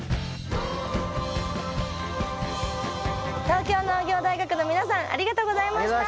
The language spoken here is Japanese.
東京農業大学の皆さんありがとうございました！